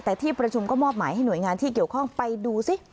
แต่ที่ประชุมก็มอบหมายให้หน่วยงานที่เกี่ยวข้องไปดูซิ